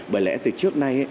bởi lẽ từ trước nay